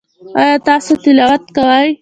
ایا تاسو تلاوت کوئ؟